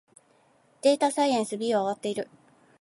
データサイエンス B は終わっている